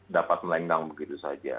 dapat melenggang begitu saja